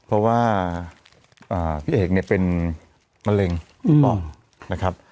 เพราะว่าพี่เอกเนี่ยเป็นมะเร็งถูกต้องนะครับ